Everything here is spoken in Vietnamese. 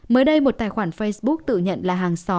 mới đây một tài khoản facebook tự nhận là